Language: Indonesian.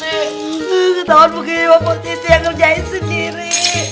ketawa ketawa begini bu tid yang ngerjain sendiri